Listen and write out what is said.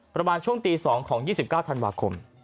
ประมาณช่วงตี๒ของ๒๙ธันวาคม